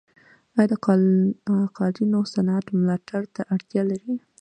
آیا د قالینو صنعت ملاتړ ته اړتیا لري؟